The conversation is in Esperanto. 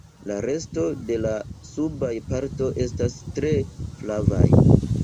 La resto de la subaj partoj estas tre flavaj.